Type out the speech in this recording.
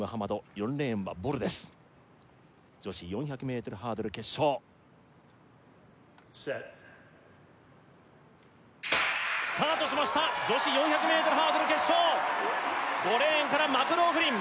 ４レーンはボルです女子４００ｍハードル決勝Ｓｅｔスタートしました女子４００ｍハードル決勝５レーンからマクローフリン